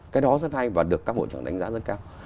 cái đó rất hay và được các bộ trưởng đánh giá rất cao